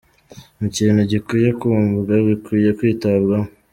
ni ikintu gikwiye kumvwa, bikwiye kwitabwaho.